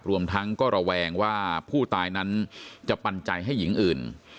รวมทั้งก็ระแวงว่าผู้ตายนั้นจะปันใจให้หญิงอื่น